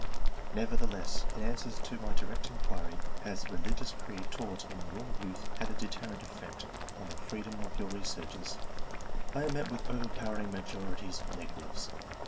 Nevertheless, in answer to my direct inquiry " Has the religious creed taught in your youth had a deterrent effect on the freedom of your researches VI am met with an overpowering majority of negatives.